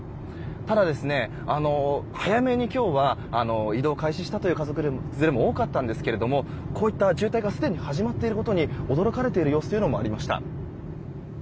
ただ、今日は早めに移動を開始したという家族連れも多かったんですがこういった渋滞がすでに始まっていることに驚かれている様子もありました。